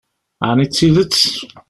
Ɛni d tidet?